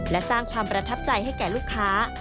และสร้างความประทับใจให้แก่ลูกค้า